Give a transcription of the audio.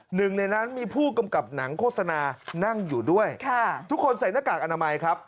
หนึ่งในนั้นมีผู้กำกับหนังโฆษณานั่งอยู่ด้วยค่ะทุกคนใส่หน้ากากอนามัยครับ